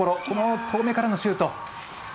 この遠めからのシュート。